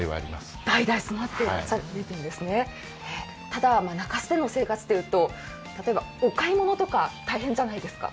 ただ、中州での生活というとお買い物とか大変じゃないですか？